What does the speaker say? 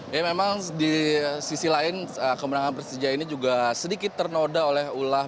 ya memang di sisi lain kemenangan persija ini juga sedikit ternoda oleh ulah